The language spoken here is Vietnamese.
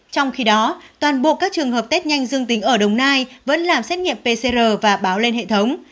trong khi đó toàn bộ các trường hợp test nhanh dương tính ở đồng nai vẫn làm xét nghiệm pcr và báo lên hệ thống